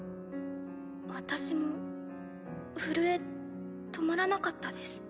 私も震え止まらなかったです。